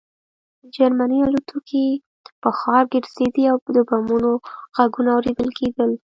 د جرمني الوتکې په ښار ګرځېدې او د بمونو غږونه اورېدل کېدل